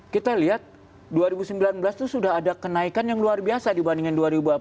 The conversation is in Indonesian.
kita lihat dua ribu sembilan belas itu sudah ada kenaikan yang luar biasa dibandingkan dua ribu delapan belas